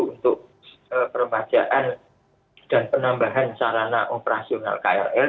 untuk peremajaan dan penambahan sarana operasional krl